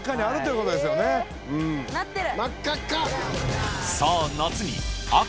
なってる。